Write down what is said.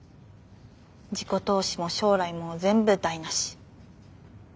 自己投資も将来も全部台なし。